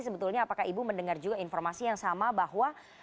sebetulnya apakah ibu mendengar juga informasi yang sama bahwa